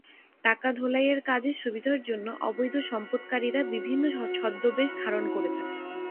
টাকা ধোলাইয়ের কাজে সুবিধার জন্য অবৈধ সম্পদধারীরা বিভিন্ন ছদ্মবেশ ধারণ করে থাকে।